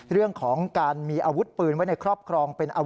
เรื่องของการมีอาวุธปืนไว้ในครอบครอง